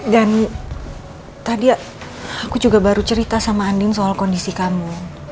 dan tadi aku juga baru cerita sama andin soal kondisi kamu